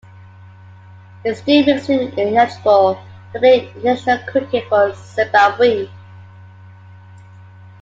This deal makes him ineligible to play international cricket for Zimbabwe.